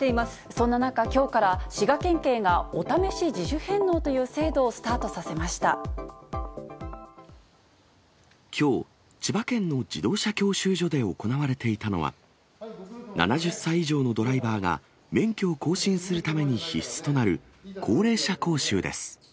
そんな中、きょうから滋賀県警がお試し自主返納という制度をスタートさせまきょう、千葉県の自動車教習所で行われていたのは、７０歳以上のドライバーが、免許を更新するために必須となる高齢者講習です。